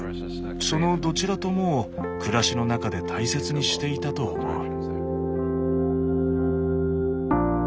そのどちらともを暮らしの中で大切にしていたと思う。